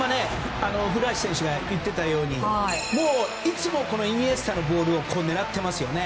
古橋選手が言っていたようにいつもイニエスタのボールを狙っていますよね。